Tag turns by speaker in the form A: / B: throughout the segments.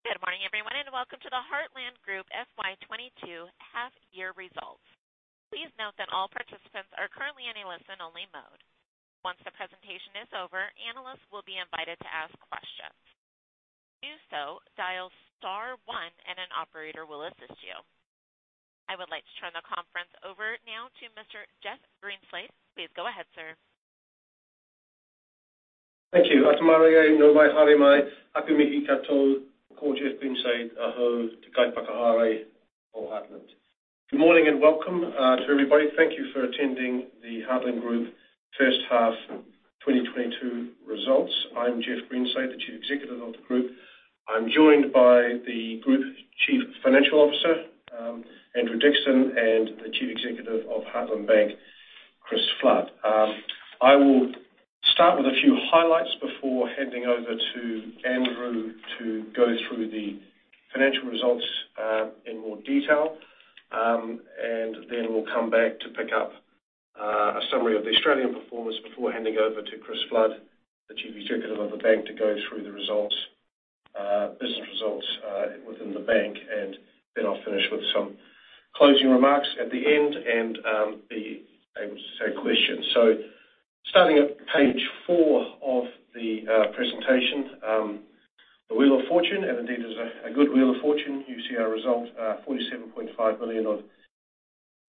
A: Good morning everyone, and welcome to the Heartland Group FY 2022 half year results. Please note that all participants are currently in a listen-only mode. Once the presentation is over, analysts will be invited to ask questions. To do so, dial star one and an operator will assist you. I would like to turn the conference over now to Mr. Jeff Greenslade. Please go ahead, sir.
B: Thank you. Good morning and welcome to everybody. Thank you for attending the Heartland Group first half 2022 results. I'm Jeff Greenslade, the Chief Executive of the group. I'm joined by the Group Chief Financial Officer, Andrew Dixson, and the Chief Executive of Heartland Bank, Chris Flood. I will start with a few highlights before handing over to Andrew to go through the financial results in more detail. We'll come back to pick up a summary of the Australian performance before handing over to Chris Flood, the Chief Executive of the bank, to go through the business results within the bank. I'll finish with some closing remarks at the end and be able to take questions. Starting at page four of the presentation, the wheel of fortune, and indeed it's a good wheel of fortune. You see our result, 47.5 million of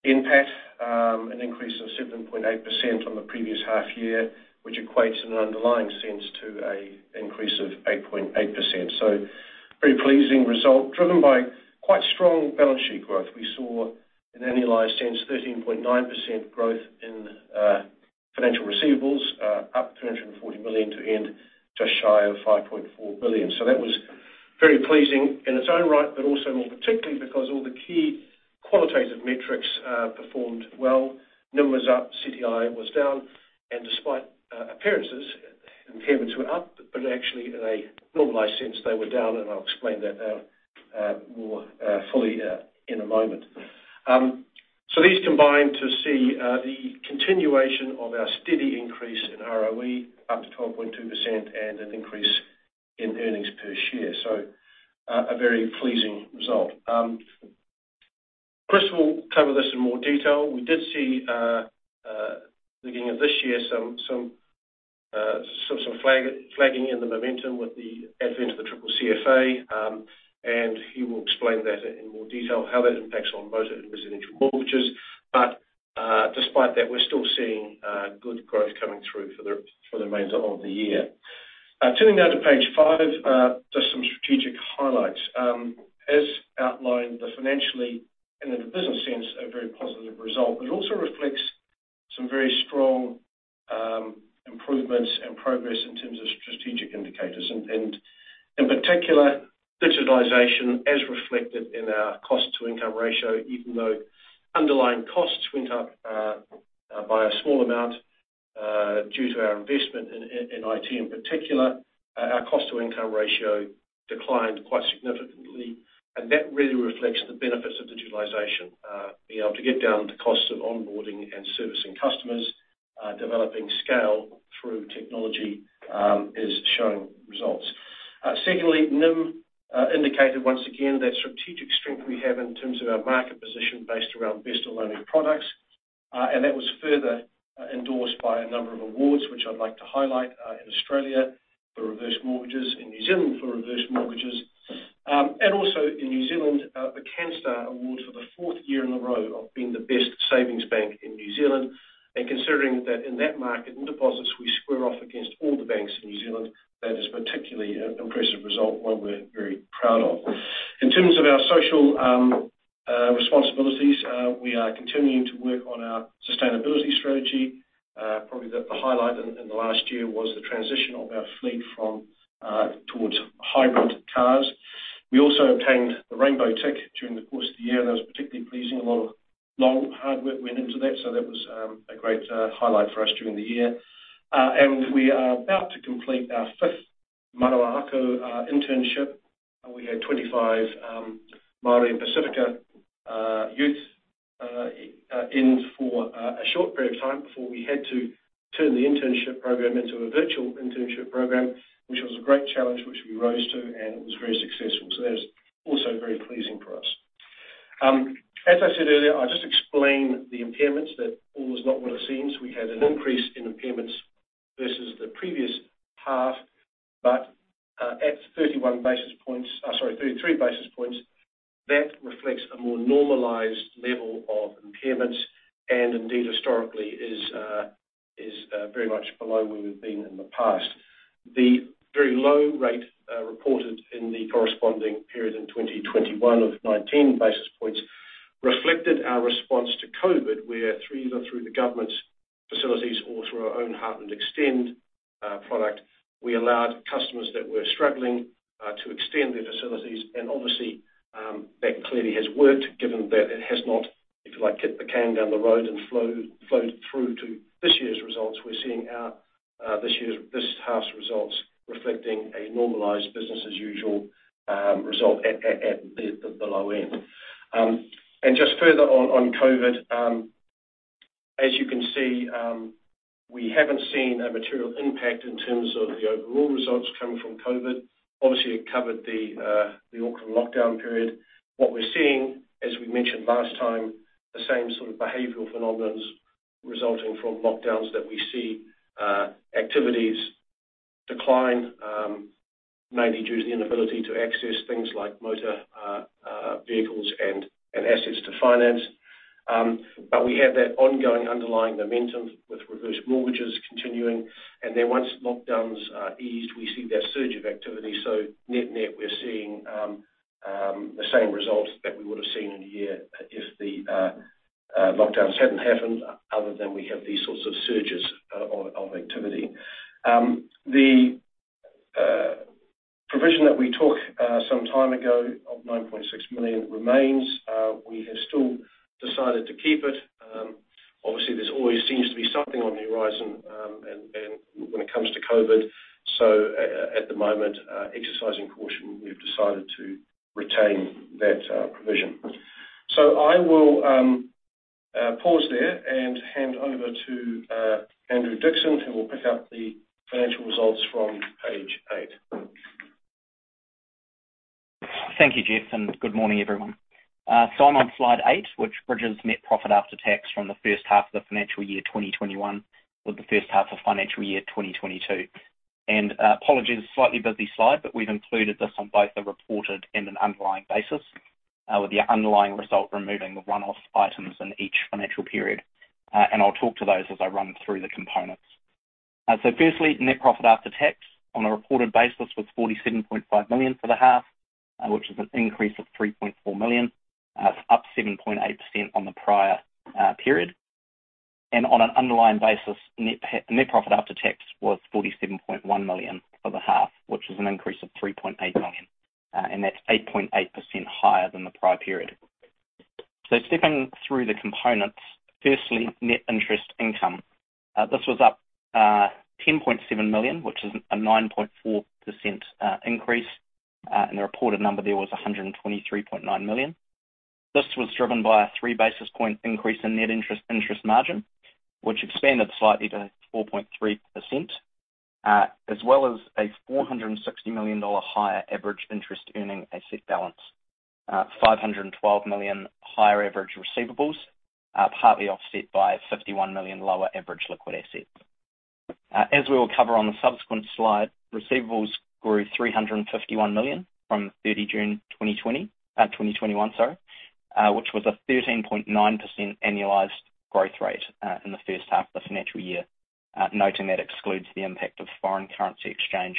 B: NPAT, an increase of 7.8% on the previous half year, which equates in an underlying sense to a increase of 8.8%. Very pleasing result, driven by quite strong balance sheet growth. We saw, in annualized sense, 13.9% growth in financial receivables, up 340 million to end just shy of 5.4 billion. That was very pleasing in its own right, but also more particularly because all the key qualitative metrics performed well. NIM was up, CTI was down, and despite appearances, impairments were up, but actually in a normalized sense, they were down, and I'll explain that more fully in a moment. These combine to see the continuation of our steady increase in ROE up to 12.2% and an increase in earnings per share. A very pleasing result. Chris will cover this in more detail. We did see, beginning of this year, some flagging in the momentum with the advent of the CCCFA, and he will explain that in more detail, how that impacts on both residential mortgages. Despite that, we're still seeing good growth coming through for the remainder of the year. Turning now to page five, just some strategic highlights. As outlined, the financial and in the business sense, a very positive result. It also reflects some very strong improvements and progress in terms of strategic indicators, and in particular, digitalization as reflected in our cost to income ratio, even though underlying costs went up by a small amount due to our investment in IT in particular, our cost to income ratio declined quite significantly. That really reflects the benefits of digitalization, being able to get down the costs of onboarding and servicing customers, developing scale through technology, is showing results. Secondly, NIM indicated once again that strategic strength we have in terms of our market position based around best-of-breed products, and that was further endorsed by a number of awards, which I'd like to highlight, in Australia for reverse mortgages, in New Zealand for reverse mortgages. Also in New Zealand, the Canstar Award for the fourth year in a row of being the best savings bank in New Zealand. Considering that in that market, in deposits, we square off against all the banks in New Zealand, that is particularly an impressive result, one we're very proud of. In terms of our social responsibilities, we are continuing to work on our sustainability strategy. Probably the highlight in the last year was the transition of our fleet from towards hybrid cars. We also obtained the Rainbow Tick during the course of the year, and that was particularly pleasing. A lot of long, hard work went into that, so that was a great highlight for us during the year. We are about to complete our fifth Manawa Ako internship. We had 25 Māori and Pasifika youths in for a short period of time before we had to turn the internship program into a virtual internship program, which was a great challenge, which we rose to, and it was very successful. That was also very pleasing for us. As I said earlier, I'll just explain the impairments that all is not what it seems. We had an increase in impairments versus the previous half, but at 33 basis points, that reflects a more normalized level of impairments, and indeed historically is very much below where we've been in the past. The very low rate reported in the corresponding period in 2021 of 19 basis points reflected our response to COVID, where either through the government's facilities or through our own Heartland Extend product, we allowed customers that were struggling to extend their facilities. Obviously, that clearly has worked, given that it has not, if you like, hit the can down the road and flowed through to this year's results. We're seeing our this year's this half's results reflecting a normalized business as usual result at the below end. Just further on COVID, as you can see, we haven't seen a material impact in terms of the overall results coming from COVID. Obviously, it covered the Auckland lockdown period. What we're seeing, as we mentioned last time, the same sort of behavioral phenomena resulting from lockdowns that we see, activities decline, mainly due to the inability to access things like motor vehicles and assets to finance. We have that ongoing underlying momentum with reverse mortgages continuing. Once lockdowns are eased, we see that surge of activity. Net-net, we're seeing the same results that we would have seen in a year if the lockdowns hadn't happened, other than we have these sorts of surges of activity. The provision that we took some time ago of 9.6 million remains. We have still decided to keep it. Obviously, there always seems to be something on the horizon, and when it comes to COVID. At the moment, exercising caution, we've decided to retain that provision. I will pause there and hand over to Andrew Dixson, who will pick up the financial results from page eight.
C: Thank you, Jeff, and good morning, everyone. I'm on slide eight, which bridges net profit after tax from the first half of the financial year 2021 with the first half of financial year 2022. Apologies, slightly busy slide, but we've included this on both a reported and an underlying basis, with the underlying result removing the one-off items in each financial period. I'll talk to those as I run through the components. Firstly, net profit after tax on a reported basis was 47.5 million for the half, which is an increase of 3.4 million, up 7.8% on the prior period. On an underlying basis, net profit after tax was 47.1 million for the half, which is an increase of 3.8 million, and that's 8.8% higher than the prior period. Stepping through the components, firstly, net interest income. This was up 10.7 million, which is a 9.4% increase. And the reported number there was 123.9 million. This was driven by a 3 basis points increase in net interest margin, which expanded slightly to 4.3%, as well as a 460 million dollar higher average interest earning asset balance. 512 million higher average receivables, partly offset by 51 million lower average liquid assets. As we will cover on the subsequent slide, receivables grew 351 million from 30 June 2021, which was a 13.9% annualized growth rate in the first half of the financial year, noting that excludes the impact of foreign currency exchange.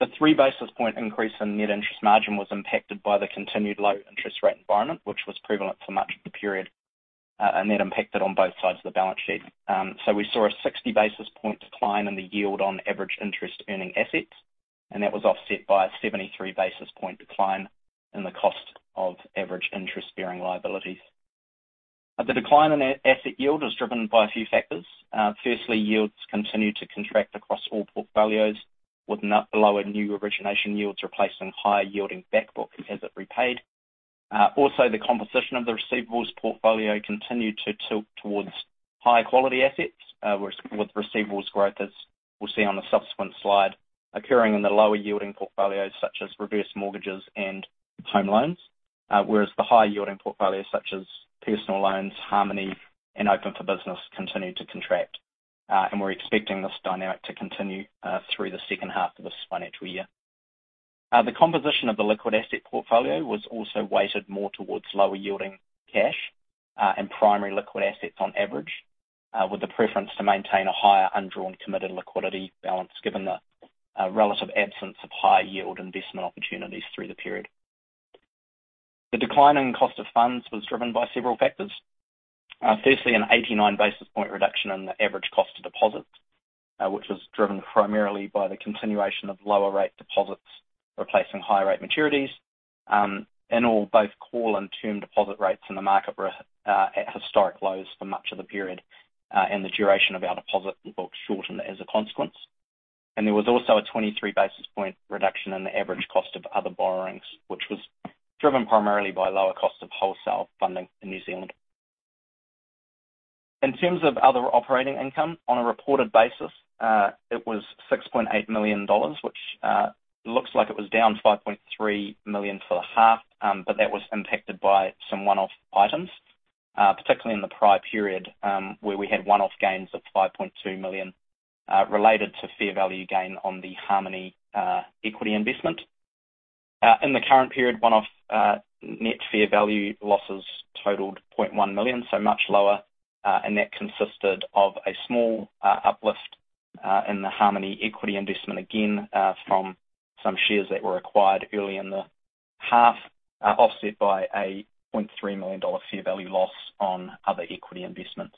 C: The 3 basis point increase in net interest margin was impacted by the continued low interest rate environment, which was prevalent for much of the period, and that impacted on both sides of the balance sheet. We saw a 60 basis point decline in the yield on average interest earning assets, and that was offset by a 73 basis point decline in the cost of average interest-bearing liabilities. The decline in asset yield was driven by a few factors. Firstly, yields continued to contract across all portfolios with lower new origination yields replacing higher yielding back book as it repaid. Also, the composition of the receivables portfolio continued to tilt towards higher quality assets, with receivables growth, as we'll see on the subsequent slide, occurring in the lower yielding portfolios such as reverse mortgages and home loans. Whereas the higher yielding portfolios such as personal loans, Harmoney, and Open for Business continued to contract. We're expecting this dynamic to continue through the second half of this financial year. The composition of the liquid asset portfolio was also weighted more towards lower yielding cash and primary liquid assets on average, with the preference to maintain a higher undrawn committed liquidity balance, given the relative absence of high yield investment opportunities through the period. The decline in cost of funds was driven by several factors. Firstly, an 89 basis point reduction in the average cost of deposits, which was driven primarily by the continuation of lower rate deposits replacing higher rate maturities. In all, both call and term deposit rates in the market were at historic lows for much of the period, and the duration of our deposit book shortened as a consequence. There was also a 23 basis point reduction in the average cost of other borrowings, which was driven primarily by lower cost of wholesale funding in New Zealand. In terms of other operating income, on a reported basis, it was 6.8 million dollars, which looks like it was down 5.3 million for the half, but that was impacted by some one-off items, particularly in the prior period, where we had one-off gains of 5.2 million, related to fair value gain on the Harmoney equity investment. In the current period, one-off net fair value losses totaled 0.1 million, so much lower, and that consisted of a small uplift in the Harmoney equity investment again, from some shares that were acquired early in the half, offset by a 0.3 million dollar fair value loss on other equity investments.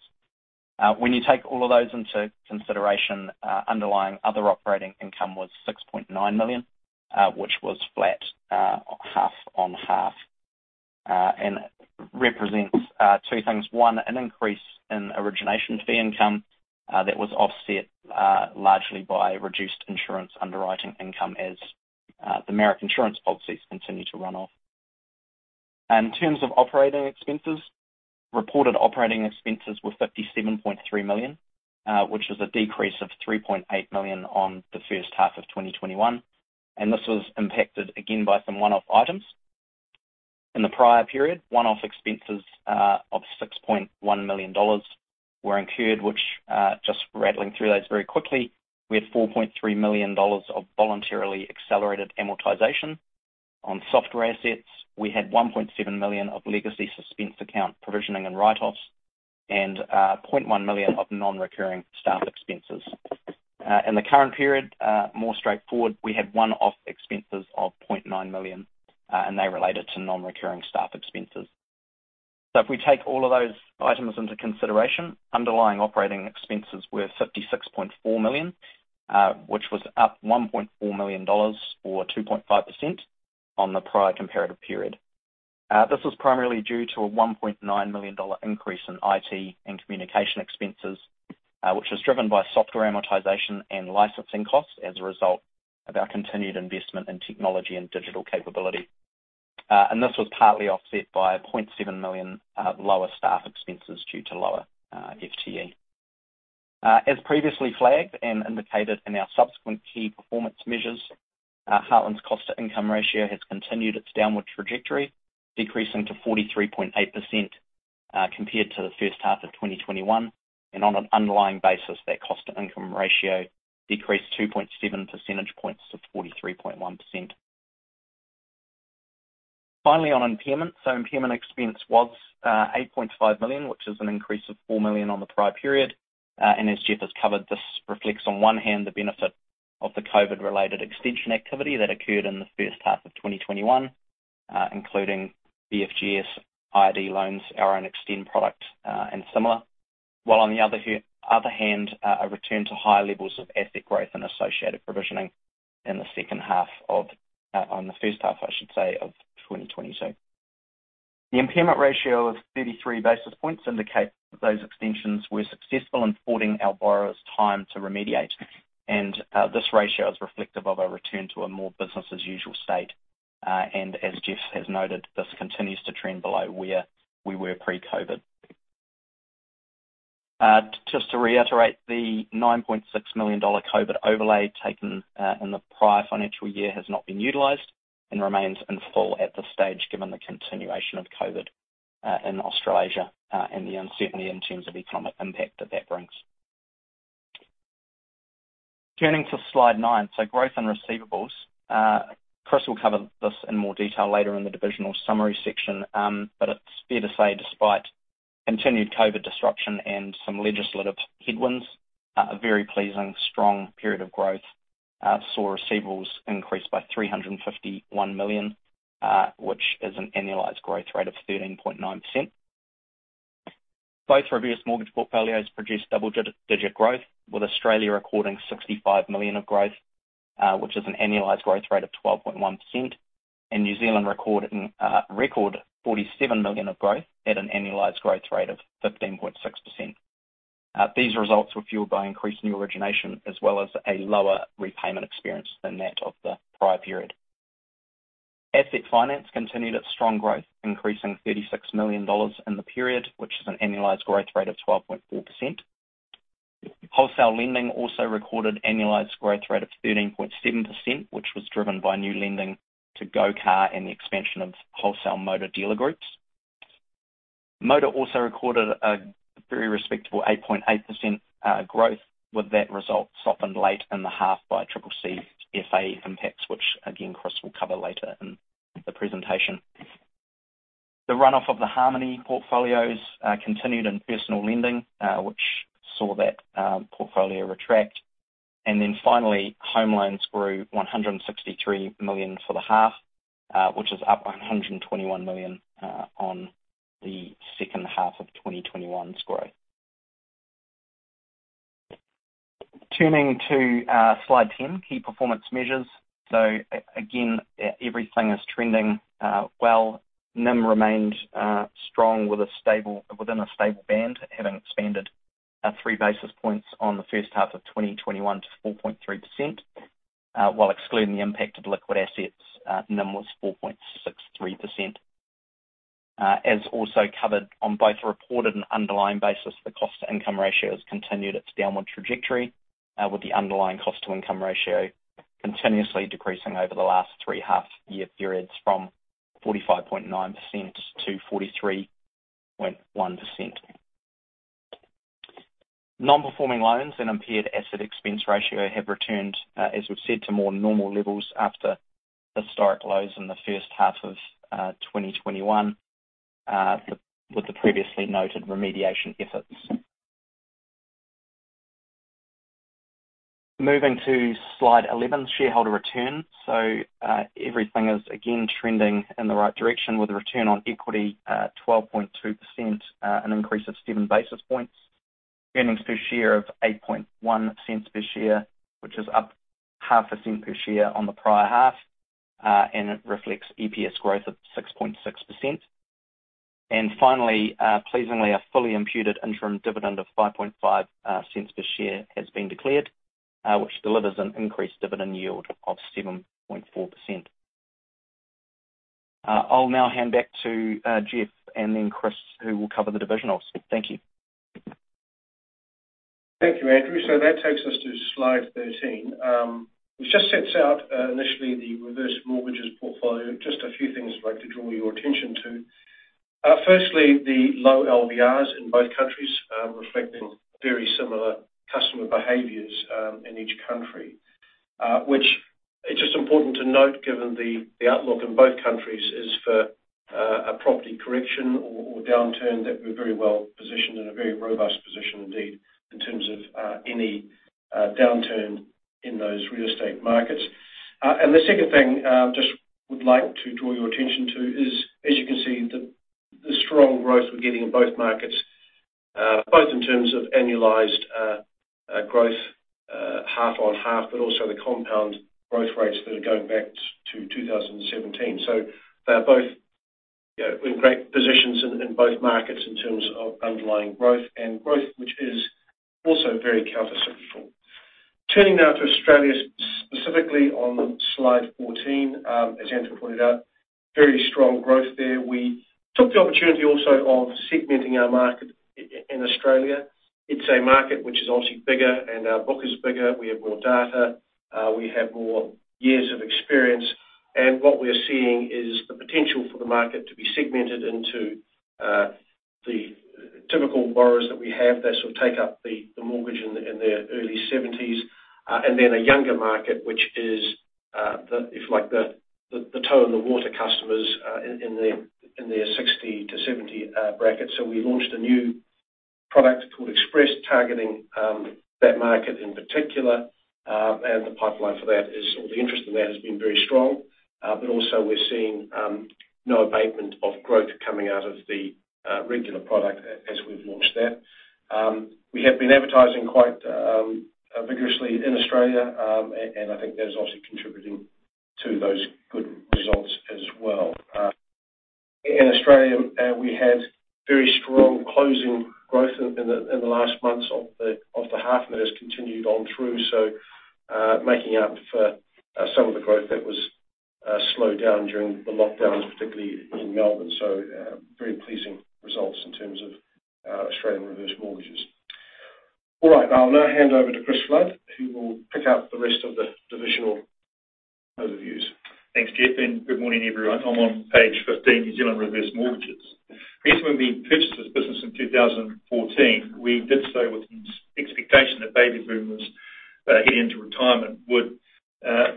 C: When you take all of those into consideration, underlying other operating income was 6.9 million, which was flat half on half, and represents two things. One, an increase in origination fee income that was offset largely by reduced insurance underwriting income as the Marac insurance policies continue to run off. In terms of operating expenses, reported operating expenses were 57.3 million, which is a decrease of 3.8 million on the first half of 2021, and this was impacted again by some one-off items. In the prior period, one-off expenses of 6.1 million dollars were incurred, which just rattling through those very quickly, we had 4.3 million dollars of voluntarily accelerated amortization on software assets. We had 1.7 million of legacy suspense account provisioning and write-offs and 0.1 million of non-recurring staff expenses. In the current period, more straightforward, we had one-off expenses of 0.9 million, and they related to non-recurring staff expenses. If we take all of those items into consideration, underlying operating expenses were 56.4 million, which was up 1.4 million dollars or 2.5% on the prior comparative period. This was primarily due to a 1.9 million dollar increase in IT and communication expenses, which was driven by software amortization and licensing costs as a result of our continued investment in technology and digital capability. This was partly offset by 0.7 million lower staff expenses due to lower FTE. As previously flagged and indicated in our subsequent key performance measures, Heartland's cost to income ratio has continued its downward trajectory, decreasing to 43.8%, compared to the first half of 2021. On an underlying basis, that cost to income ratio decreased 2.7 percentage points to 43.1%. Finally, on impairment expense was 8.5 million, which is an increase of 4 million on the prior period. As Jeff has covered, this reflects on one hand the benefit of the COVID-related extension activity that occurred in the first half of 2021, including BFGS, ID loans, our own Extend product, and similar. While on the other hand, a return to higher levels of asset growth and associated provisioning in the first half, I should say, of 2022. The impairment ratio of 33 basis points indicates that those extensions were successful in affording our borrowers time to remediate. This ratio is reflective of a return to a more business as usual state. As Jeff has noted, this continues to trend below where we were pre-COVID. Just to reiterate, the 9.6 million dollar COVID overlay taken in the prior financial year has not been utilized and remains in full at this stage, given the continuation of COVID in Australasia and the uncertainty in terms of economic impact that that brings. Turning to slide nine, growth and receivables. Chris will cover this in more detail later in the divisional summary section. It's fair to say despite continued COVID disruption and some legislative headwinds, a very pleasing strong period of growth saw receivables increase by 351 million, which is an annualized growth rate of 13.9%. Both reverse mortgage portfolios produced double-digit growth, with Australia recording 65 million of growth, which is an annualized growth rate of 12.1%, and New Zealand recording record 47 million of growth at an annualized growth rate of 15.6%. These results were fueled by increased new origination as well as a lower repayment experience than that of the prior period. Asset finance continued its strong growth, increasing 36 million dollars in the period, which is an annualized growth rate of 12.4%. Wholesale lending also recorded annualized growth rate of 13.7%, which was driven by new lending to Go Car and the expansion of wholesale motor dealer groups. Motor also recorded a very respectable 8.8% growth, with that result softened late in the half by CCCFA impacts, which again, Chris will cover later in the presentation. The runoff of the Harmoney portfolios continued in personal lending, which saw that portfolio retract. Finally, home loans grew 163 million for the half, which is up 121 million on the second half of 2021's growth. Turning to slide 10, key performance measures. Everything is trending well. NIM remained strong within a stable band, having expanded 3 basis points from the first half of 2021 to 4.3%. While excluding the impact of liquid assets, NIM was 4.63%. As also covered on both a reported and underlying basis, the cost to income ratio has continued its downward trajectory, with the underlying cost to income ratio continuously decreasing over the last 3 1/2 year periods from 45.9% to 43.1%. Non-performing loans and impaired asset expense ratio have returned, as we've said, to more normal levels after historic lows in the first half of 2021, with the previously noted remediation efforts. Moving to slide 11, shareholder return. Everything is again trending in the right direction with the return on equity, 12.2%, an increase of 7 basis points. Earnings per share of 0.081 per share, which is up half a cent per share on the prior half. It reflects EPS growth of 6.6%. Pleasingly, a fully imputed interim dividend of 0.055 per share has been declared, which delivers an increased dividend yield of 7.4%. I'll now hand back to Jeff and then Chris, who will cover the divisionals. Thank you.
B: Thank you, Andrew. That takes us to slide 13, which just sets out initially the reverse mortgages portfolio. Just a few things I'd like to draw your attention to. Firstly, the low LVRs in both countries, reflecting very similar customer behaviors in each country, which it's just important to note, given the outlook in both countries is for a property correction or downturn that we're very well positioned, in a very robust position indeed, in terms of any downturn in those real estate markets. The second thing I just would like to draw your attention to is, as you can see, the strong growth we're getting in both markets, both in terms of annualized growth, half-on-half, but also the compound growth rates that are going back to 2017. They are both, you know, in great positions in both markets in terms of underlying growth and growth which is also very countercyclical. Turning now to Australia, specifically on slide 14, as Andrew pointed out, very strong growth there. We took the opportunity also of segmenting our market in Australia. It's a market which is obviously bigger and our book is bigger. We have more data, we have more years of experience, and what we are seeing is the potential for the market to be segmented into the typical borrowers that we have that sort of take up the mortgage in their early 70s, and then a younger market, which is the, if you like, the toe-in-the-water customers in their 60-70 bracket. We launched a new product called Express, targeting that market in particular, and the pipeline for that is, or the interest in that has been very strong. But also we're seeing no abatement of growth coming out of the regular product as we've launched that. We have been advertising quite vigorously in Australia, and I think that is also contributing to those good results as well. In Australia, we had very strong closing growth in the last months of the half, and that has continued on through, making up for some of the growth that was slowed down during the lockdowns, particularly in Melbourne. Very pleasing results in terms of our Australian reverse mortgages. All right, I'll now hand over to Chris Flood, who will pick up the rest of the divisional overviews.
D: Thanks, Jeff, and good morning, everyone. I'm on page 15, New Zealand Reverse Mortgages. I guess when we purchased this business in 2014, we did so with an expectation that baby boomers heading into retirement would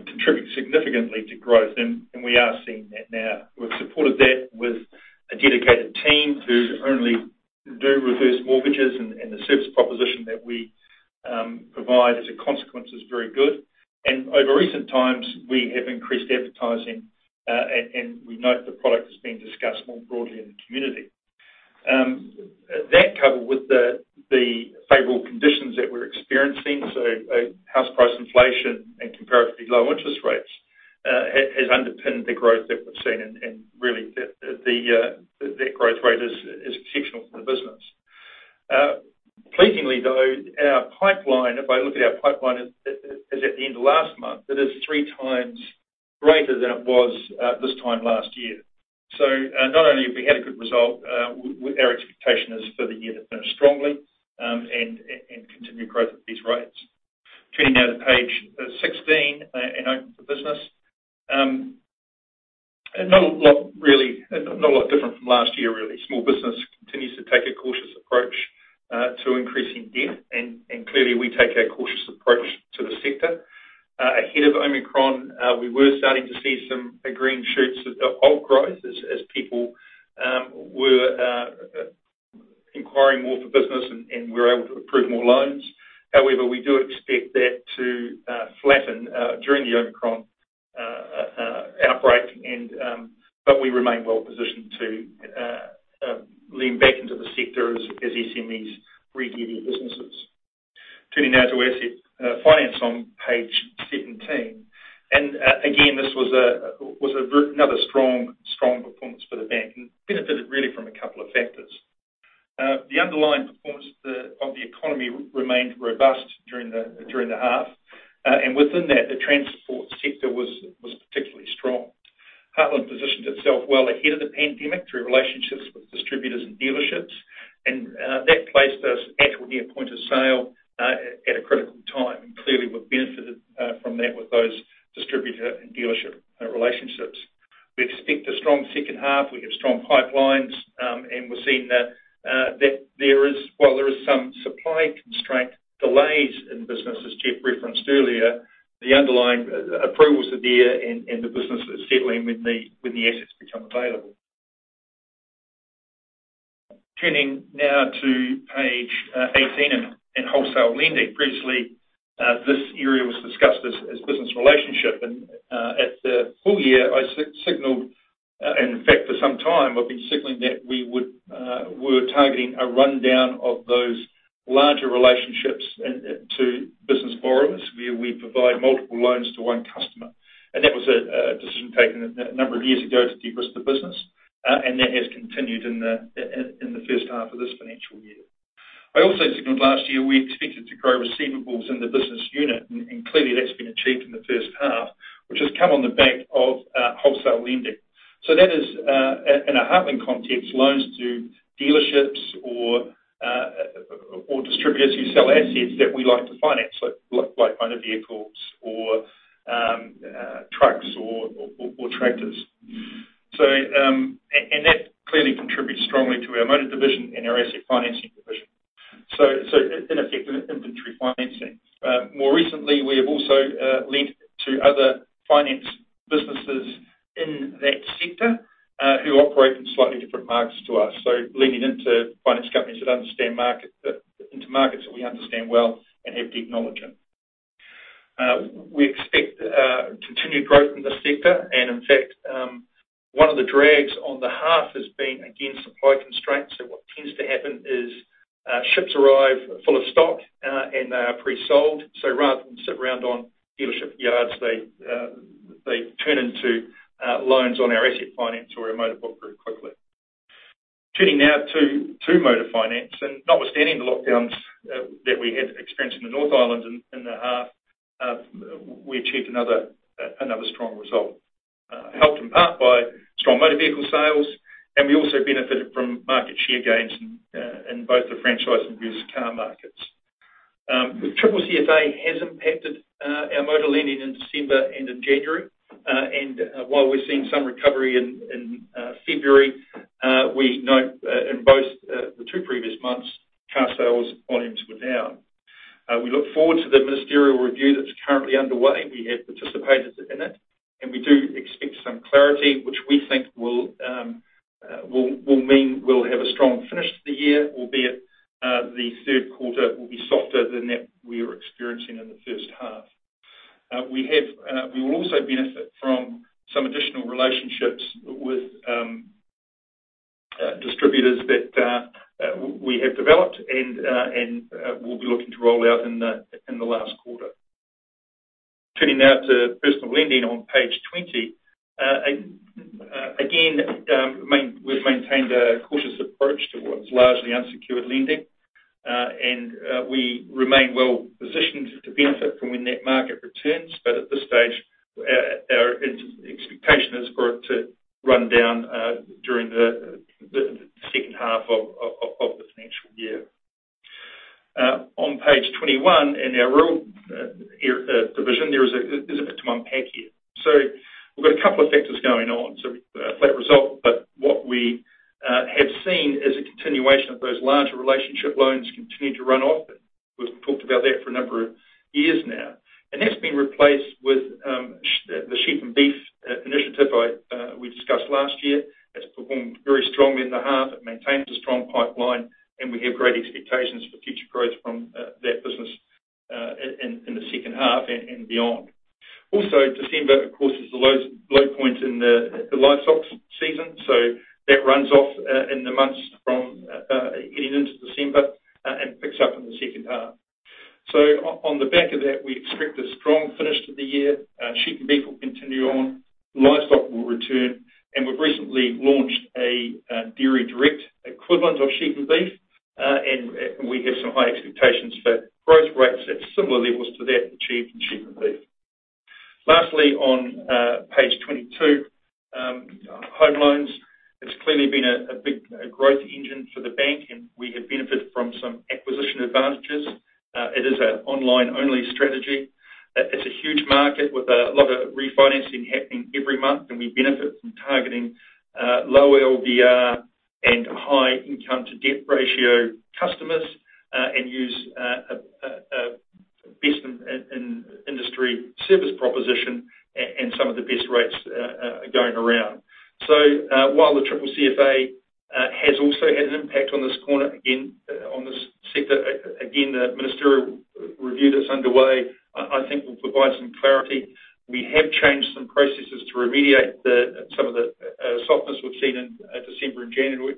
D: contribute significantly to growth. We are seeing that now. We've supported that with a dedicated team who only do reverse mortgages, and the service proposition that we provide as a consequence is very good. Over recent times, we have increased advertising, and we note the product has been discussed more broadly in the community. That, coupled with the favorable conditions that we're experiencing, so house price inflation and comparatively low interest rates, has underpinned the growth that we've seen, and really that growth rate is exceptional for the business. Pleasingly though, our pipeline, if I look at our pipeline as at the end of last month, it is three times greater than it was this time last year. Not only have we had a good result, with our expectation is for the year to finish strongly, and continue growth at these rates. Turning now to page 16, and Open for Business. Not a lot really, not a lot different from last year, really. Small business continues to take a cautious approach to increasing debt, and clearly we take a cautious approach to the sector. Ahead of Omicron, we were starting to see some green shoots of growth as people were inquiring more for business and we were able to approve more loans. However, we do expect that to flatten during the Omicron outbreak, but we remain well positioned to lean back into the sector as SMEs businesses. Turning now to Asset Finance on page 17. Again, this was another strong performance for the bank, and benefited really from a couple of factors. The underlying performance of the economy remained robust during the half. Within that, the transport sector was particularly strong. Heartland positioned itself well ahead of the pandemic through relationships with distributors and dealerships, and that placed us at or near point of sale at a critical time. Clearly we've benefited from that with those distributor and dealership relationships. We expect a strong second half. We have strong pipelines, and we're seeing that there is, while there is some supply constraint delays in business, as Jeff referenced earlier, the underlying approvals are there and the business is settling when the assets become available. Turning now to page 18 and Wholesale Lending. Previously, this area was discussed as business relationships. At the full year, I signaled, in fact for some time, I've been signaling that we're targeting a rundown of those larger relationships and to business borrowers, where we provide multiple loans to one customer. That was a decision taken a number of years ago to de-risk the business, and that has continued in the first half of this financial year. I also signaled last year, we expected to grow receivables in the business unit and clearly that's been achieved in the first half, which has come on the back of wholesale lending. That is, in a Heartland context, loans to dealerships or distributors who sell assets that we like to finance, like motor vehicles or trucks or tractors. That clearly contributes strongly to our motor division and our asset financing division. In effect, inventory financing. More recently, we have also lent to other finance businesses in that sector who operate in slightly different markets to us, lending into finance companies that understand market into markets that we understand well and have deep knowledge in. We expect continued growth in this sector. In fact, one of the drags on the half has been, again, supply constraints. What tends to happen is ships arrive full of stock, and they are pre-sold. Rather than sit around on dealership yards, they turn into loans on our asset finance or our motor book very quickly. Turning now to motor finance, notwithstanding the lockdowns that we had experienced in the North Island in the half, we achieved another strong result. Helped in part by strong motor vehicle sales, and we also benefited from market share gains in both the franchise and used car markets. The CCCFA has impacted our motor lending in December and in January. While we're seeing some recovery in February, we note in both the two previous months, car sales volumes were down. We look forward to the ministerial review that's currently underway. We have participated in it, and we do expect some clarity which we think will mean we'll have a strong finish to the year, albeit the third quarter will be softer than that we are experiencing in the first half. We will also benefit from some additional relationships with distributors that we have developed and we'll be looking to roll out in the last quarter. Turning now to personal lending on page 20. Again, we've maintained a cautious approach to what's largely unsecured lending. We remain well positioned to benefit from when that market returns. At this stage, our interim expectation is for it to run down during the second half of the financial year. On page 21, in our rural division, there is a bit to unpack here. We've got a couple of factors going on. A flat result, but what we have seen is a continuation of those larger relationship loans continue to run off. We've talked about that for a number of years now, and that's been replaced with the sheep and beef initiative we discussed last year. It's performed very strongly in the half. It maintains a strong pipeline, and we have great expectations for future growth from that business in the second half and beyond. Also, December, of course, is the low point in the livestock season, so that runs off in the months from getting into December and picks up in the second half. On the back of that, we expect a strong finish to the year. Sheep and beef will continue on, livestock will return, and we've recently launched a dairy direct equivalent of sheep and beef. We have some high expectations for growth rates at similar levels to that achieved in sheep and beef. Lastly, on page 22, home loans. It's clearly been a big growth engine for the bank, and we have benefited from some acquisition advantages. It is an online-only strategy. It's a huge market with a lot of refinancing happening every month, and we benefit from targeting low LVR and high income-to-debt ratio customers and use best in industry service proposition and some of the best rates going around. While the CCCFA has also had an impact on this corner, again, on this sector, again, the ministerial review that's underway, I think will provide some clarity. We have changed some processes to remediate some of the softness we've seen in December and January.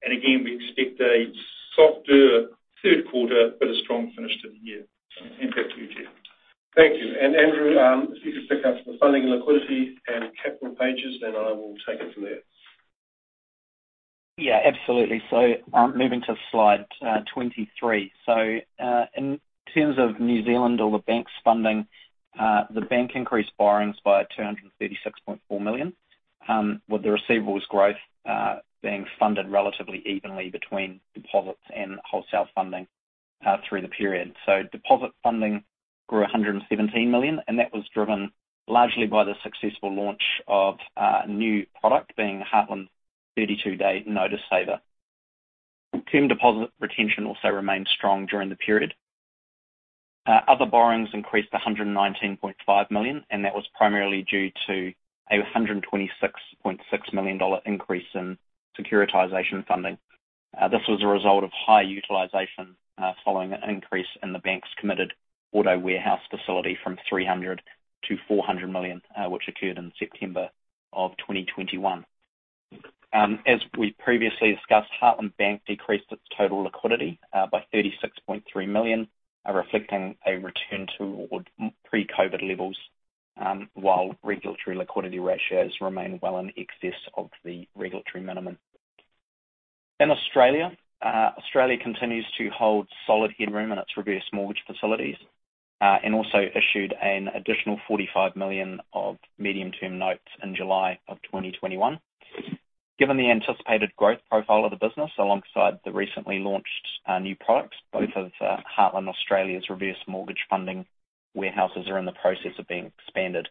D: We expect a softer third quarter, but a strong finish to the year. Back to you, Jeff.
B: Thank you. Andrew, if you could pick up the funding and liquidity and capital pages, then I will take it from there.
C: Yeah, absolutely. Moving to slide 23. In terms of New Zealand or the bank's funding, the bank increased borrowings by 236.4 million with the receivables growth being funded relatively evenly between deposits and wholesale funding through the period. Deposit funding grew 117 million, and that was driven largely by the successful launch of a new product, being Heartland 32-Day Notice Saver. Term deposit retention also remained strong during the period. Other borrowings increased 119.5 million, and that was primarily due to a 126.6 million dollar increase in securitization funding. This was a result of high utilization, following an increase in the bank's committed auto warehouse facility from 300 million-400 million, which occurred in September of 2021. As we previously discussed, Heartland Bank decreased its total liquidity by 36.3 million, reflecting a return toward pre-COVID levels, while regulatory liquidity ratios remain well in excess of the regulatory minimum. In Australia continues to hold solid headroom in its reverse mortgage facilities, and also issued an additional 45 million of medium-term notes in July of 2021. Given the anticipated growth profile of the business alongside the recently launched new products, both of Heartland Finance's reverse mortgage funding warehouses are in the process of being expanded,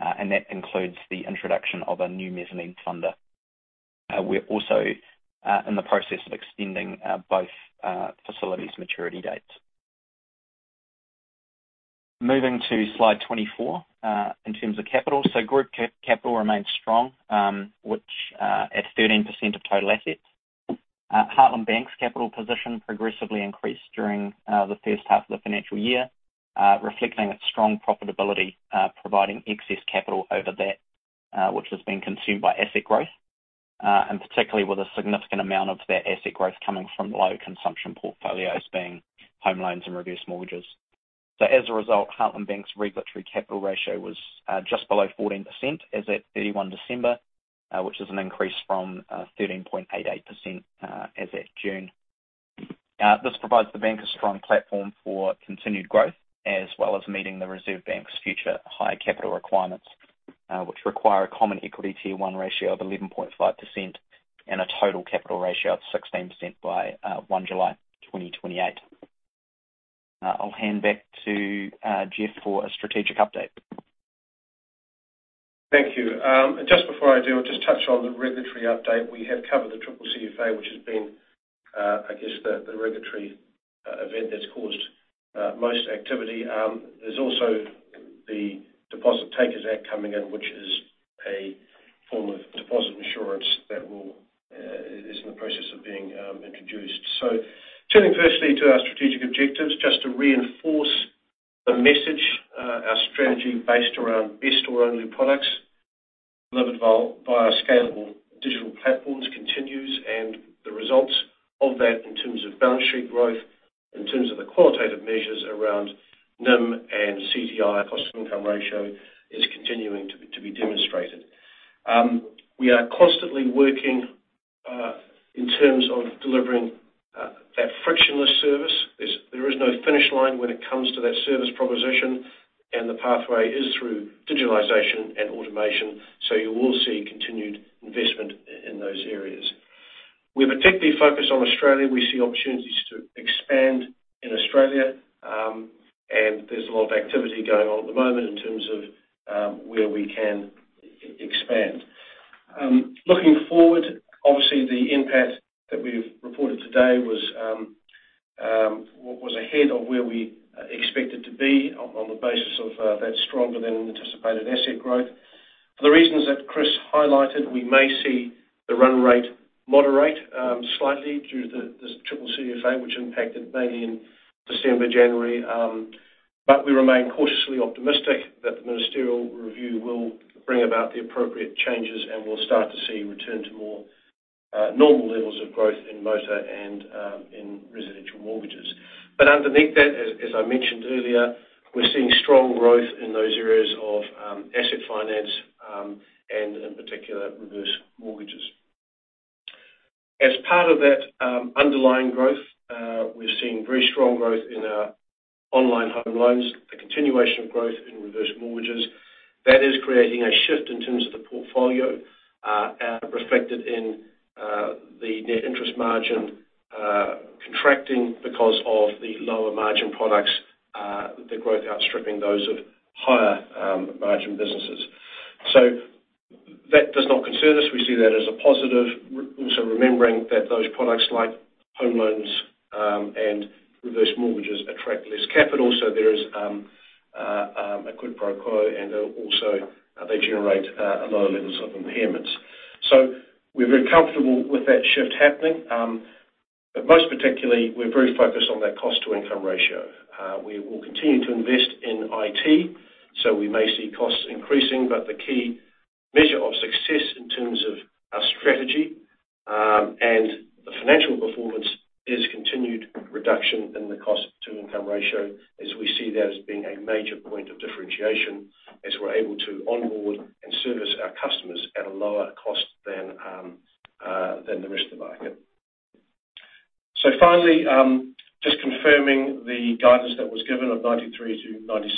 C: and that includes the introduction of a new mezzanine funder. We're also in the process of extending both facilities' maturity dates. Moving to slide 24 in terms of capital. Group capital remains strong, which at 13% of total assets. Heartland Bank's capital position progressively increased during the first half of the financial year, reflecting its strong profitability, providing excess capital over that which has been consumed by asset growth, and particularly with a significant amount of that asset growth coming from low consumption portfolios being home loans and reverse mortgages. As a result, Heartland Bank's regulatory capital ratio was just below 14% as at 31 December, which is an increase from 13.88% as at June. This provides the bank a strong platform for continued growth, as well as meeting the Reserve Bank's future higher capital requirements, which require a common equity tier one ratio of 11.5% and a total capital ratio of 16% by 1 July 2028. I'll hand back to Jeff for a strategic update.
B: Thank you. Just before I do, I'll just touch on the regulatory update. We have covered the CCCFA, which has been, I guess, the regulatory event that's caused most activity. There's also the Deposit Takers Act coming in, which is a form of deposit insurance that is in the process of being introduced. Turning firstly to our strategic objectives, just to reinforce the message, our strategy based around best or only products delivered by our scalable digital platforms continues, and the results of that in terms of balance sheet growth, in terms of the qualitative measures around NIM and CTI, cost-to-income ratio, is continuing to be demonstrated. We are constantly working in terms of delivering that frictionless service. There is no finish line when it comes to that service proposition, and the pathway is through digitalization and automation, so you will see continued investment in those areas. We're particularly focused on Australia. We see opportunities to expand in Australia, and there's a lot of activity going on at the moment in terms of where we can expand. Looking forward, obviously the NPAT that we've reported today was ahead of where we expected to be on the basis of that stronger than anticipated asset growth. For the reasons that Chris highlighted, we may see the run rate moderate slightly due to the CCCFA, which impacted mainly in December, January. We remain cautiously optimistic that the ministerial review will bring about the appropriate changes, and we'll start to see a return to more normal levels of growth in motor and in residential mortgages. Underneath that, as I mentioned earlier, we're seeing strong growth in those areas of asset finance and in particular, reverse mortgages. As part of that underlying growth, we're seeing very strong growth in our online home loans, a continuation of growth in reverse mortgages. That is creating a shift in terms of the portfolio reflected in the net interest margin contracting because of the lower margin products, the growth outstripping those of higher margin businesses. That does not concern us. We see that as a positive. Also remembering that those products like home loans and reverse mortgages attract less capital, so there is a quid pro quo, and also they generate lower levels of impairments. We're very comfortable with that shift happening. Most particularly, we're very focused on that cost to income ratio. We will continue to invest in IT, so we may see costs increasing. The key measure of success in terms of our strategy and the financial performance is continued reduction in the cost to income ratio, as we see that as being a major point of differentiation as we're able to onboard and service our customers at a lower cost than the rest of the market. Finally, just confirming the guidance that was given of 93-96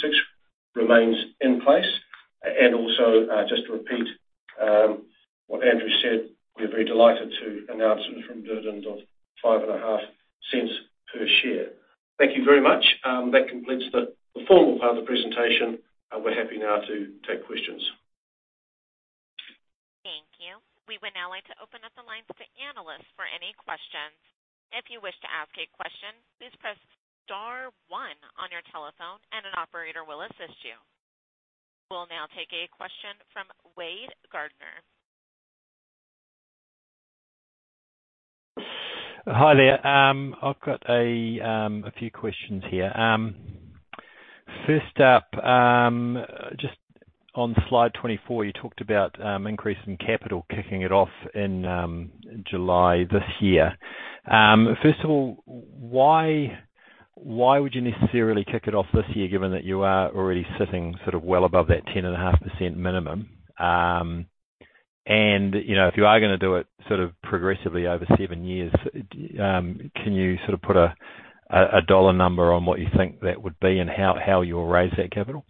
B: remains in place. Just to repeat what Andrew said, we're very delighted to announce an interim dividend of 0.055 per share. Thank you very much. That completes the formal part of the presentation, and we're happy now to take questions.
A: Thank you. We would now like to open up the lines to analysts for any questions. If you wish to ask a question, please press star one on your telephone and an operator will assist you. We'll now take a question from Wade Gardiner.
E: Hi there. I've got a few questions here. First up, just on slide 24, you talked about increasing capital, kicking it off in July this year. First of all, why would you necessarily kick it off this year given that you are already sitting sort of well above that 10.5% minimum? You know, if you are gonna do it sort of progressively over seven years, can you sort of put a dollar number on what you think that would be and how you'll raise that capital?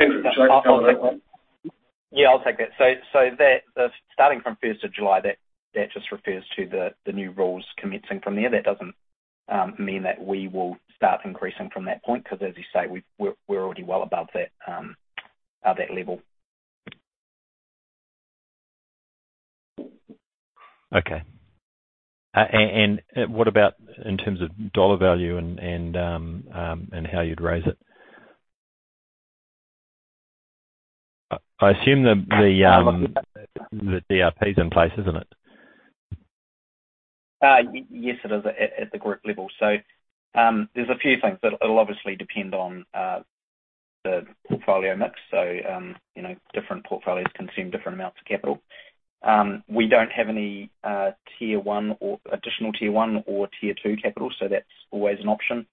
B: Andrew, would you like to comment on that?
C: Yeah, I'll take that. That the starting from first of July that just refers to the new rules commencing from there. That doesn't mean that we will start increasing from that point, 'cause as you say, we're already well above that level.
E: Okay. What about in terms of dollar value and how you'd raise it? I assume the DRP is in place, isn't it?
C: Yes, it is at the group level. There's a few things. It'll obviously depend on the portfolio mix. You know, different portfolios consume different amounts of capital. We don't have any Tier 1 or Additional Tier 1 or Tier 2 capital, so that's always an option.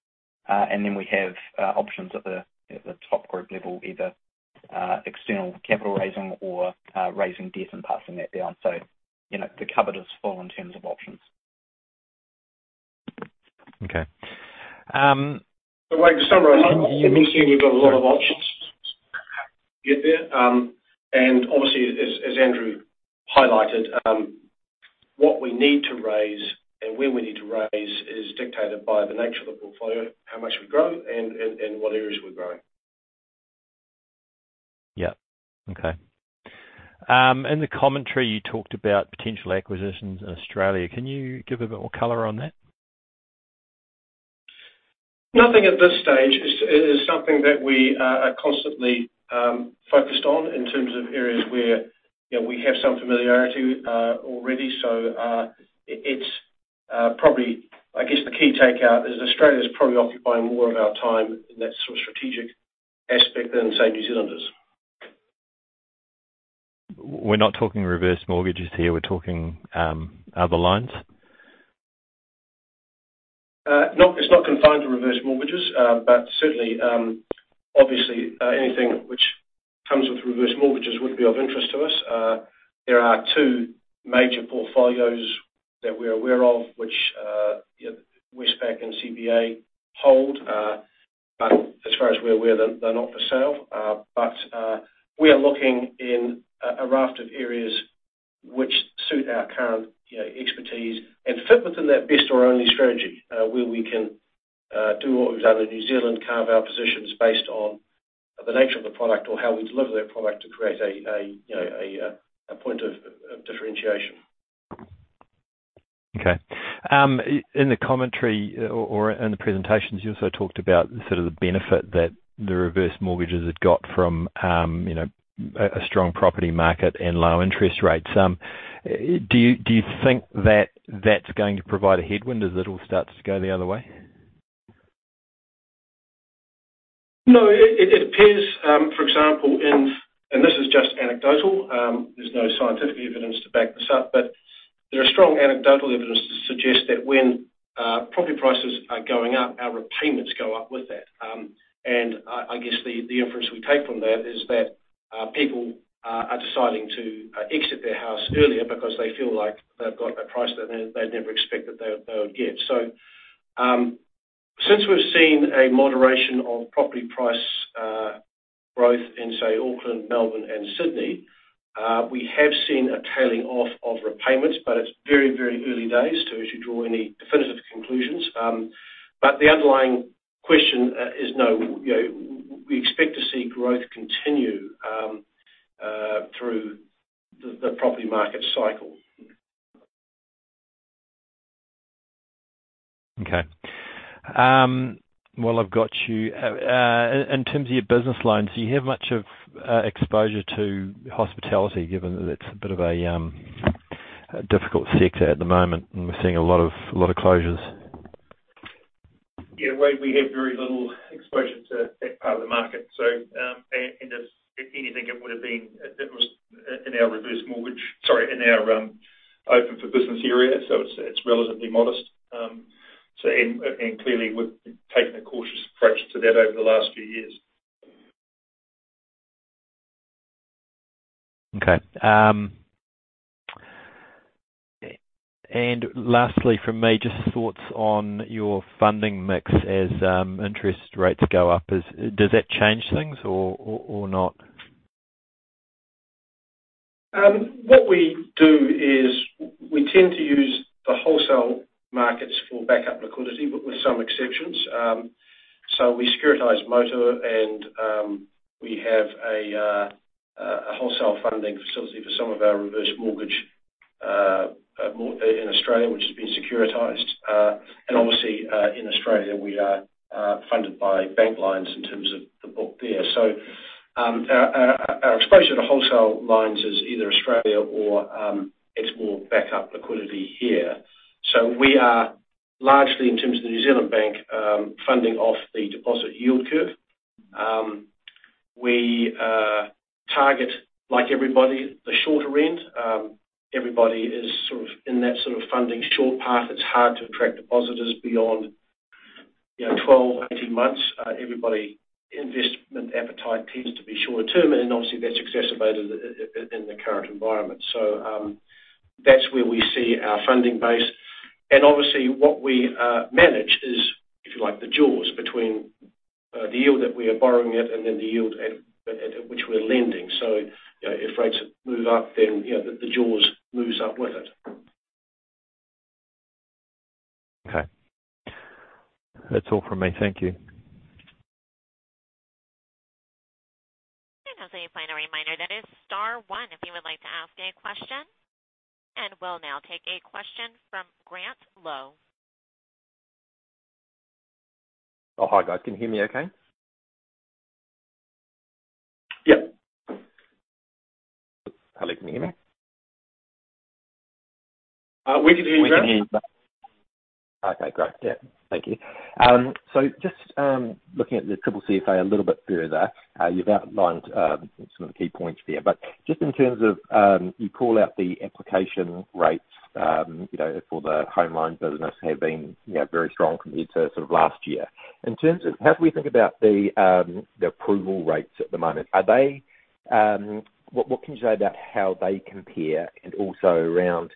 C: Then we have options at the top group level, either external capital raising or raising debt and passing that down. You know, the cupboard is full in terms of options.
E: Okay.
B: Wade, to summarize, it means then you've got a lot of options to get there. Obviously as Andrew highlighted, what we need to raise and when we need to raise is dictated by the nature of the portfolio, how much we grow and what areas we grow.
E: Yeah. Okay. In the commentary, you talked about potential acquisitions in Australia. Can you give a bit more color on that?
B: Nothing at this stage. It is something that we are constantly focused on in terms of areas where, you know, we have some familiarity already. I guess the key takeout is Australia's probably occupying more of our time in that sort of strategic aspect than, say, New Zealand is.
E: We're not talking reverse mortgages here, we're talking other lines?
B: No, it's not confined to reverse mortgages, but certainly, obviously, anything which comes with reverse mortgages would be of interest to us. There are two major portfolios that we're aware of which Westpac and CBA hold. As far as we're aware, they're not for sale. We are looking in a raft of areas which suit our current, you know, expertise and fit within that best or only strategy, where we can do what we've done in New Zealand, carve our positions based on the nature of the product or how we deliver that product to create a, you know, a point of differentiation.
E: Okay. In the commentary or in the presentations, you also talked about sort of the benefit that the reverse mortgages had got from, you know, a strong property market and low interest rates. Do you think that that's going to provide a headwind as it all starts to go the other way?
B: No, it appears, for example, this is just anecdotal, there's no scientific evidence to back this up, but there are strong anecdotal evidence to suggest that when property prices are going up, our repayments go up with that. I guess the inference we take from that is that people are deciding to exit their house earlier because they feel like they've got a price that they'd never expected they would get. Since we've seen a moderation of property price growth in, say, Auckland, Melbourne and Sydney, we have seen a tailing off of repayments, but it's very early days to draw any definitive conclusions. But the underlying question is no. You know, we expect to see growth continue through the property market cycle.
E: Okay. While I've got you, in terms of your business loans, do you have much exposure to hospitality given that it's a bit of a difficult sector at the moment and we're seeing a lot of closures?
D: Yeah. We have very little exposure to that part of the market, so if anything, it was in our Open for Business area, so it's relatively modest. Clearly, we've taken a cautious approach to that over the last few years.
E: Okay. Lastly from me, just thoughts on your funding mix as interest rates go up. Does that change things or not?
B: What we do is we tend to use the wholesale markets for backup liquidity, but with some exceptions. We securitize motor and we have a wholesale funding facility for some of our reverse mortgage in Australia, which has been securitized. Obviously, in Australia we are funded by bank lines in terms of the book there. Our exposure to wholesale lines is either Australia or, it's more backup liquidity here. We are largely, in terms of the New Zealand bank, funding off the deposit yield curve. We target, like everybody, the shorter end. Everybody is sort of in that sort of funding short path. It's hard to attract depositors beyond, you know, 12-18 months. Everybody investment appetite tends to be short-term, and obviously that's exacerbated in the current environment. That's where we see our funding base. Obviously what we manage is, if you like, the jaws between, the yield that we are borrowing at and then the yield at which we're lending. You know, if rates move up then, you know, the jaws moves up with it.
E: Okay. That's all from me. Thank you.
A: As a final reminder, that is star one if you would like to ask a question. We'll now take a question from Grant Lowe.
F: Oh, hi, guys. Can you hear me okay?
B: Yep.
F: Hello, can you hear me?
B: We can hear you.
F: Okay, great. Yeah. Thank you. So just looking at the CCCFA a little bit further, you've outlined some of the key points there. Just in terms of you call out the application rates, you know, for the home loan business have been, you know, very strong compared to sort of last year. In terms of how do we think about the approval rates at the moment? Are they. What can you say about how they compare and also around,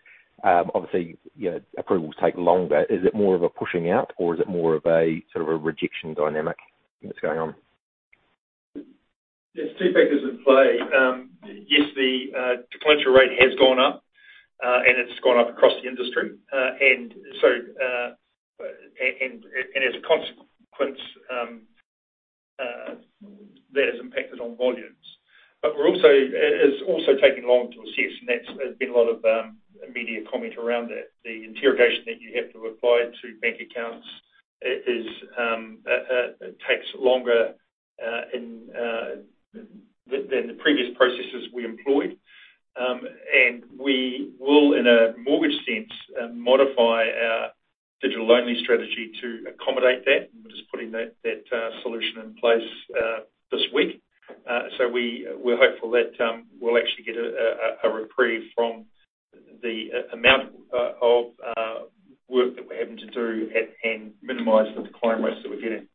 F: obviously, you know, approvals take longer. Is it more of a pushing out or is it more of a sort of a rejection dynamic that's going on?
D: There are two factors in play. Yes, the decline rate has gone up, and it's gone up across the industry. As a consequence, that has impacted on volumes. But we're also, it's also taking longer to assess, and that's. There's been a lot of media comment around that. The interrogation that you have to apply to bank accounts takes longer than the previous processes we employed. We will, in a mortgage sense, modify our digital-only strategy to accommodate that. We're just putting that solution in place this week. We're hopeful that we'll actually get a reprieve from the amount of work that we're having to do, and minimize the decline rates that we're getting.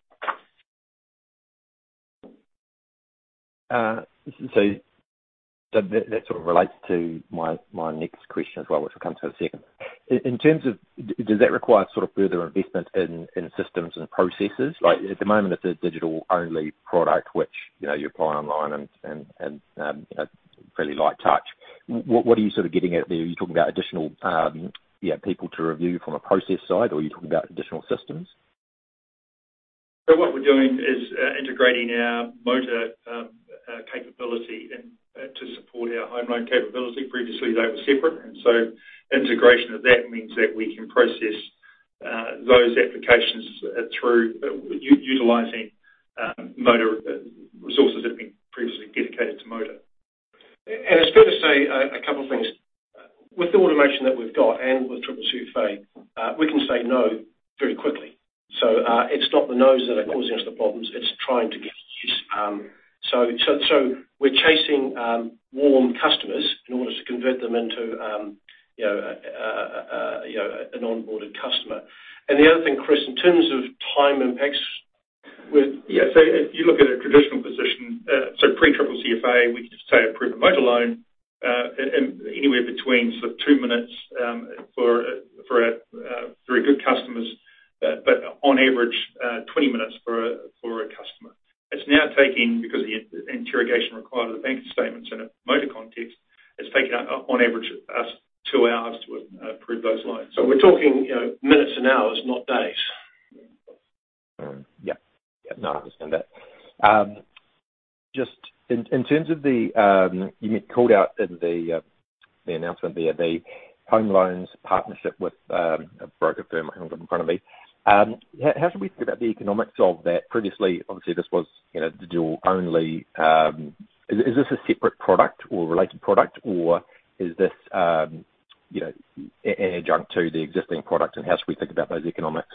F: That sort of relates to my next question as well, which we'll come to in a second. In terms of, does that require sort of further investment in systems and processes? Like at the moment it's a digital-only product which, you know, you apply online and, you know, fairly light touch. What are you sort of getting at there? Are you talking about additional, you know, people to review from a process side, or are you talking about additional systems?
D: What we're doing is integrating our motor capability and to support our home loan capability. Previously they were separate, and integration of that means that we can process those applications through utilizing motor resources that have been previously dedicated to motor.
B: It's fair to say a couple things. With the automation that we've got and with CCCFA, we can say no very quickly. It's not the no's that are causing us the problems, it's trying to get yes. We're chasing warm customers in order to convert them into you know an onboarded customer. The other thing, Chris, in terms of time impacts. If you look at a traditional position, pre-CCCFA, we could approve a motor loan and anywhere between sort of two minutes for very good customers, but on average 20 minutes for a customer. It's now taking, because the interrogation required of the bank statements in a motor context, it's taking on average us two hours to approve those loans. We're talking, you know, minutes and hours, not days.
F: Yeah. Yeah, no, I understand that. Just in terms of the, you called out in the announcement via the home loans partnership with a broker firm I haven't got in front of me. How should we think about the economics of that? Previously, obviously this was, you know, digital only. Is this a separate product or related product or is this, you know, an adjunct to the existing product, and how should we think about those economics?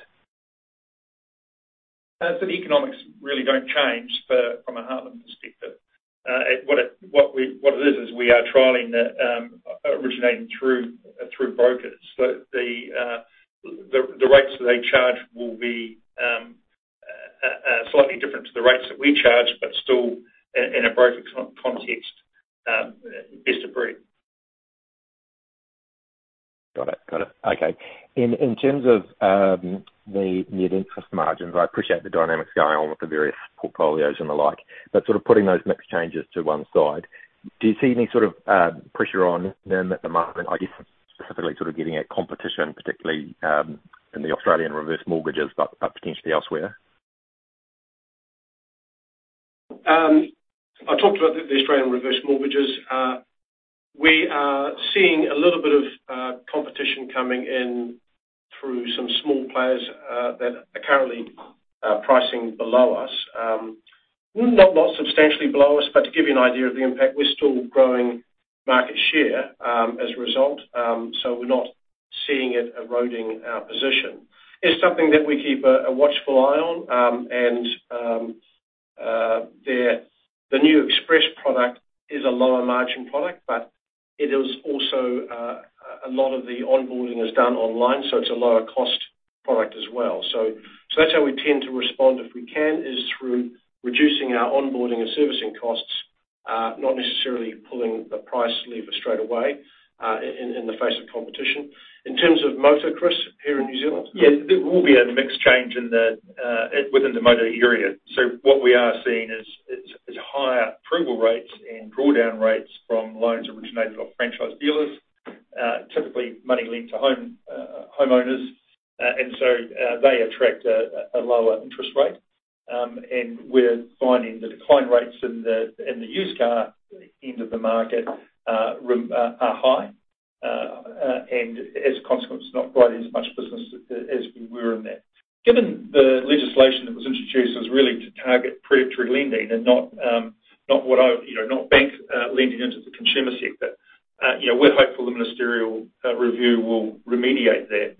D: The economics really don't change from a Heartland perspective. What it is is we are trialing the originating through brokers. The rates that they charge will be slightly different to the rates that we charge, but still in a broker context, best of breed.
F: Got it. Okay. In terms of the net interest margins, I appreciate the dynamics going on with the various portfolios and the like, but sort of putting those mix changes to one side, do you see any sort of pressure on them at the moment? I guess specifically sort of getting at competition, particularly in the Australian reverse mortgages, but potentially elsewhere.
B: I talked about the Australian reverse mortgages. We are seeing a little bit of competition coming in through some small players that are currently pricing below us. Not substantially below us, but to give you an idea of the impact, we're still growing market share as a result. So we're not seeing it eroding our position. It's something that we keep a watchful eye on. The new Express product is a lower margin product, but it is also a lot of the onboarding is done online, so it's a lower cost product as well. So that's how we tend to respond if we can, is through reducing our onboarding and servicing costs, not necessarily pulling the price lever straight away, in the face of competition. In terms of motor, Chris, here in New Zealand?
D: Yes. There will be a mix change within the motor area. What we are seeing is higher approval rates and draw down rates from loans originated off franchise dealers. Typically money lent to homeowners, and so they attract a lower interest rate. We're finding the decline rates in the used car end of the market are high. As a consequence, not quite as much business as we were in that. Given the legislation that was introduced was really to target predatory lending and not, you know, not bank lending into the consumer sector, you know, we're hopeful the ministerial review will remediate that.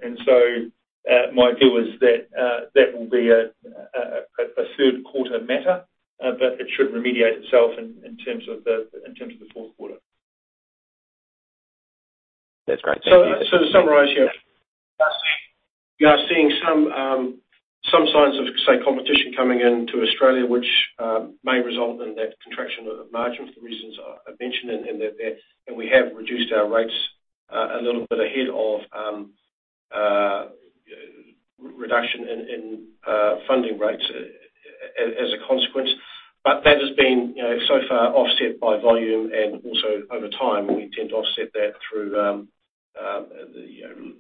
D: My view is that that will be a third quarter matter, but it should remediate itself in terms of the fourth quarter.
B: That's great. Thank you. To summarize here, we are seeing some signs of competition coming into Australia, which may result in that contraction of margins for the reasons I've mentioned and that there. We have reduced our rates a little bit ahead of reduction in funding rates as a consequence. But that has been, you know, so far offset by volume, and also over time, we tend to offset that through the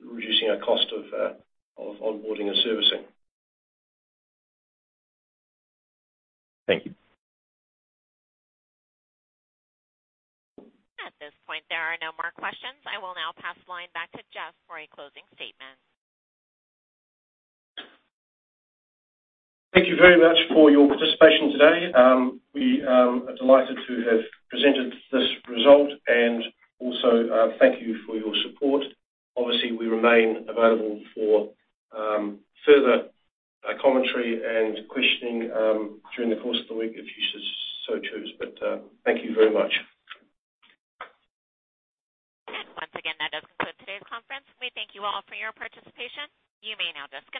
B: reducing our cost of onboarding and servicing.
F: Thank you.
A: At this point, there are no more questions. I will now pass the line back to Jeff for a closing statement.
B: Thank you very much for your participation today. We are delighted to have presented this result. Also, thank you for your support. Obviously, we remain available for further commentary and questioning during the course of the week if you so choose. Thank you very much.
A: Once again, that does conclude today's conference. We thank you all for your participation. You may now disconnect.